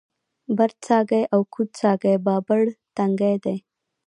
برڅاګی او کوز څاګی بابړ تنګی دی